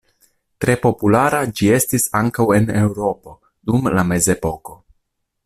Tre populara ĝi estis ankaŭ en Eŭropo dum la mezepoko.